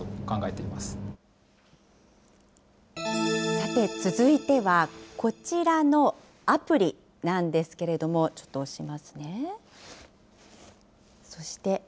さて続いては、こちらのアプリなんですけれども、ちょっと押しますね。